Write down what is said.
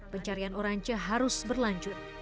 pencarian orang cofaot harus berlanjut